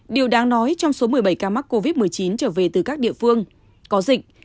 điều đáng nói trong số một mươi bảy ca mắc covid một mươi chín trở về từ các địa phương có dịch